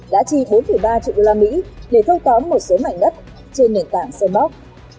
đã chi bốn ba triệu usd để thâu tóm một số mảnh đất trên nền tảng sandbox